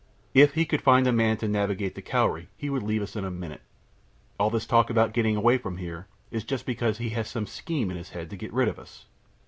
If he could find a man to navigate the Cowrie he would leave us in a minute. All his talk about getting away from here is just because he has some scheme in his head to get rid of us."